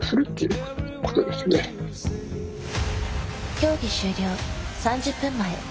競技終了３０分前。